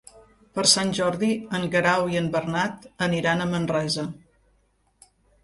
Per Sant Jordi en Guerau i en Bernat aniran a Manresa.